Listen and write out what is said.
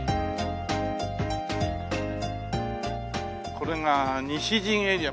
これが西陣エリア。